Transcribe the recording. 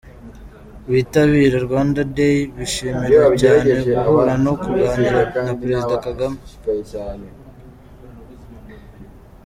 Abitabira Rwanda Day bishimira cyane guhura no kuganira na Perezida Kagame.